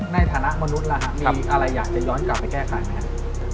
ในฐานะมนุษย์ล่ะครับมีอะไรอยากจะย้อนกลับไปแก้ไขไหมครับ